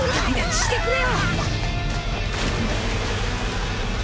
勘弁してくれよ。